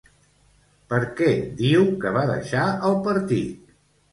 Per què diu que va deixar el partit?